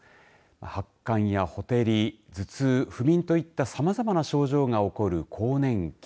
発汗やほてり頭痛、不眠といったさまざまな症状が起こる更年期。